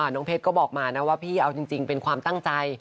น้องเพชรก็บอกมานะว่าพี่เอาจริงเป็นความตั้งใจ